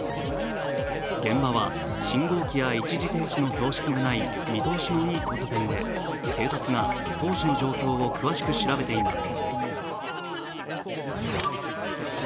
現場は信号機や一時停止の標識がない見通しのよい交差点で警察が当時の状況を詳しく調べています。